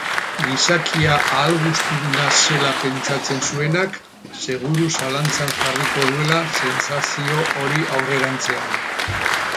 Gizakia ahalguztiduna zela pentsatzen zuenak, seguru zalantzan jarriko duela sentsazio hori aurrerantzean.